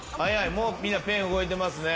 もうみんなペン動いてますね。